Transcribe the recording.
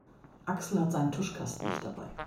Axel hat seinen Tuschkasten nicht dabei.